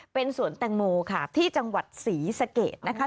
เป็นสวนแต่งมูค่ะที่จังหวัดศรีสเกตนะครับ